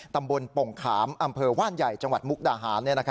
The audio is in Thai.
ตำบลปงขามอำเภอว่านใหญ่จังหวัดมุกดาหาร